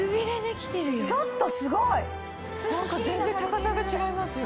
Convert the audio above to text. ちょっとすごい！何か全然高さが違いますよ。